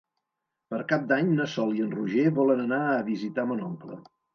Per Cap d'Any na Sol i en Roger volen anar a visitar mon oncle.